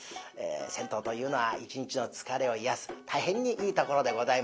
銭湯というのは一日の疲れを癒やす大変にいいところでございます。